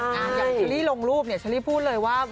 อย่างเจลลี่ลงรูปเจลลี่พูดเลยว่า